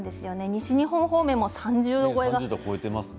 西日本方面も３０度超えが。